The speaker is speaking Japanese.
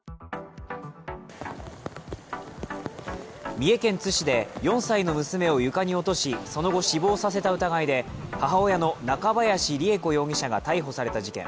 三重県津市で４歳の娘を床に落としその後、死亡させた疑いで母親の中林りゑ子容疑者が逮捕された事件。